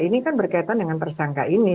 ini kan berkaitan dengan tersangka ini